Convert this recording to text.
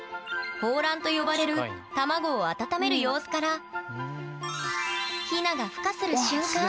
「抱卵」と呼ばれる卵を温める様子からヒナがふ化する瞬間